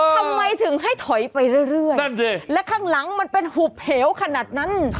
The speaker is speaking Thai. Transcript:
ทำไมถึงให้ถอยไปเรื่อยนั่นสิและข้างหลังมันเป็นหุบเหวขนาดนั้น